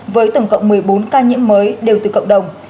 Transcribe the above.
với tổng cộng một mươi bốn ca nhiễm mới đều từ cộng đồng